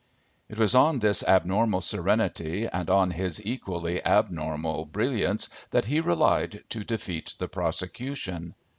It was on this abnormal serenity and on his equally abnormal brilliance that he relied to defeat the prosecution.